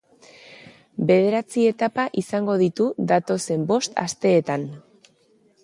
Bederatzi etapa izango ditu, datozen bost asteetan.